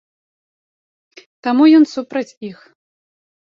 Таму ён супраць іх.